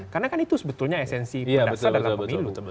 karena kan itu sebetulnya esensi pendasa dalam pemilu